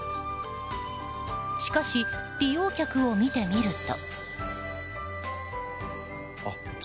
しかし、利用客を見てみると。